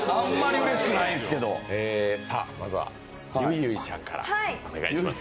さ、まずはゆいゆいちゃんからお願いします。